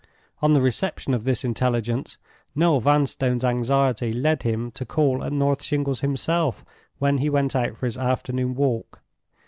On the reception of this intelligence, Noel Vanstone's anxiety led him to call at North Shingles himself when he went out for his afternoon walk.